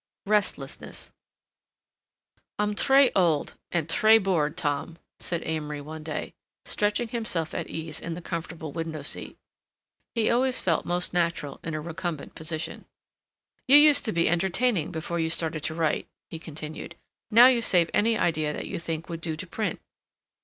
RESTLESSNESS "I'm tres old and tres bored, Tom," said Amory one day, stretching himself at ease in the comfortable window seat. He always felt most natural in a recumbent position. "You used to be entertaining before you started to write," he continued. "Now you save any idea that you think would do to print."